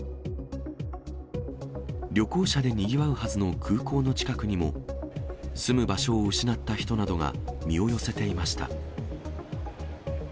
旅行者でにぎわうはずの空港の近くにも、住む場所を失った人などが身を寄せていました。